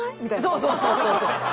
そうそうそうそう。